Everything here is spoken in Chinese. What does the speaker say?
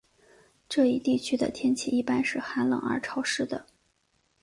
这一地区的天气一般是寒冷而潮湿的。